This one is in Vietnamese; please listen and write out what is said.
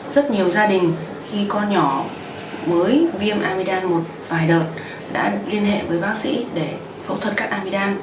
rất nhiều gia đình khi con nhỏ mới viêm amidam một vài đợt đã liên hệ với bác sĩ để phẫu thuật cắt amidam